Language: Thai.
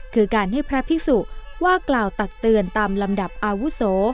คือการให้พระพิสุว่ากล่าวตักเตือนตามลำดับอาวุโส